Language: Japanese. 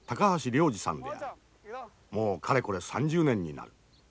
もうかれこれ３０年になる。